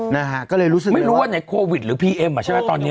ไม่รู้ว่าไหนโควิดหรือพีเอ็มอ่ะใช่ป่ะตอนนี้